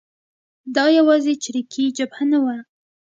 دا یوازې چریکي جبهه نه وه.